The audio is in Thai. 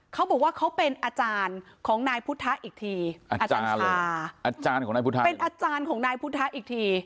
เขาบอกว่าเขาเป็นอาจารย์ของนายพุทธะอีกทีอาจารย์ของนายพุทธะอีกที